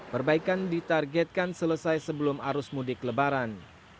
perbaikan ditargetkan selesai sebelum arus mudik lebaran